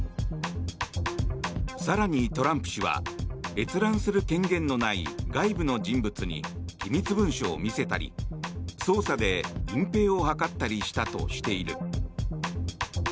更に、トランプ氏は閲覧する権限のない外部の人物に機密文書を見せたり捜査で隠ぺいを図ったりしたとしている。